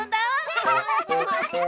アハハハ！